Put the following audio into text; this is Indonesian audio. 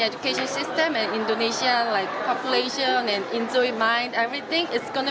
dan indonesia memiliki populasi dan menikmati segalanya